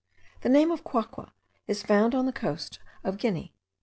The name of Quaqua is found on the coast of Guinea.